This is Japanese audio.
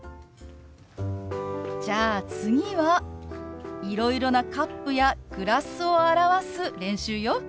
じゃあ次はいろいろなカップやグラスを表す練習よ。